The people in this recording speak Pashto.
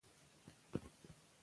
بې ځایه قضاوت مه کوئ.